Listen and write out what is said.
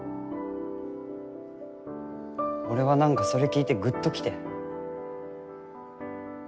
俺はなんかそれ聞いてグッときて。